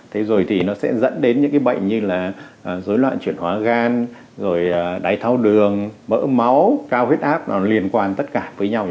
thế rồi thì nó sẽ dẫn đến những bệnh như dối loạn chuyển hóa gan đáy tháo đường mỡ máu cao huyết áp liên quan tất cả với nhau